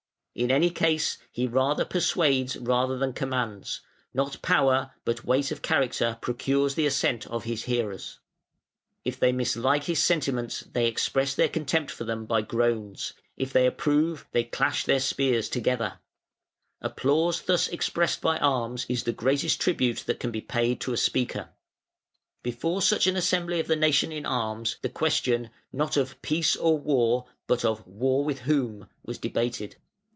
In any case, he rather persuades than commands; not power, but weight of character procures the assent of his hearers." [Footnote 31: Germania, xi.] "If they mislike his sentiments they express their contempt for them by groans, if they approve, they clash their spears together. Applause thus expressed by arms is the greatest tribute that can be paid to a speaker". Before such an assembly of the nation in arms, the question, not of Peace or War? but of War with whom? was debated.